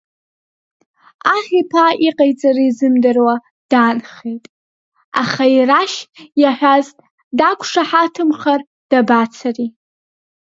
Аҳ иԥа иҟаиҵара изымдыруа даанхеит, аха ирашь иаҳәаз дақәшаҳаҭымхар дабацоз.